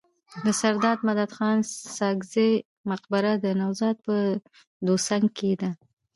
د سرداد مددخان ساکزي مقبره د نوزاد په دوسنګ کي ده.